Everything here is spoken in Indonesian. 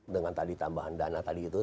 dengan tadi tambahan dana tadi itu